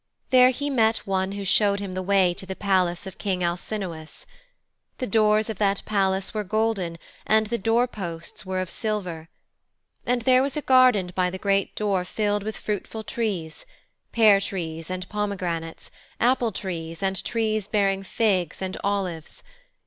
There he met one who showed him the way to the palace of King Alcinous. The doors of that palace were golden and the door posts were of silver. And there was a garden by the great door filled with fruitful trees pear trees and pomegranates; apple trees and trees bearing figs and olives.